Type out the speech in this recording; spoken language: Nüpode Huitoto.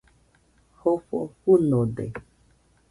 Jofo fɨnode